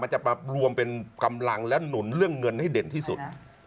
จะมารวมเป็นกำลังและหนุนเรื่องเงินให้เด่นที่สุด